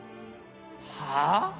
はぁ？